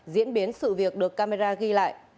diễn biến sự việc được camera ghi lại